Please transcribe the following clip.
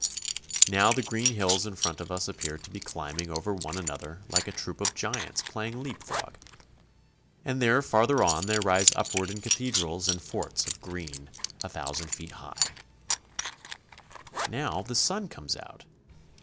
Now the green hills in front of us appear to be chmbing over one another like a troop of giants playing leapfrog, and there farther on they rise upward in cathedrals and forts of green a thousand feet high. CARP. S. AM. — 10 152 CHILE. Now the sun comes out.